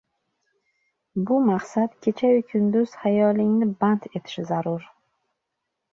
Bu maqsad kechayu kunduz xayolingni band etishi zarur.